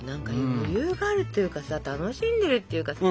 余裕があるっていうかさ楽しんでるっていうか。